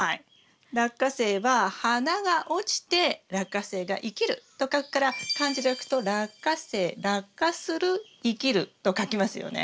ラッカセイは「花が落ちてラッカセイが生きる」と書くから漢字で書くと「落花生」「落花する生きる」と書きますよね。